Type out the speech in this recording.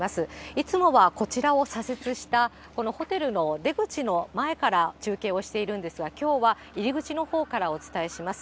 いつもはこちらを左折したこのホテルの出口の前から中継をしているんですが、きょうは入り口のほうからお伝えします。